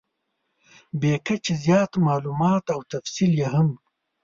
بې کچې زیات مالومات او تفصیل یې هم .